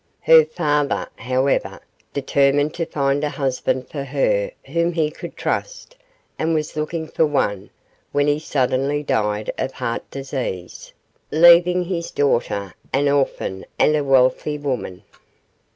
Her father, however, determined to find a husband for her whom he could trust, and was looking for one when he suddenly died of heart disease, leaving his daughter an orphan and a wealthy woman.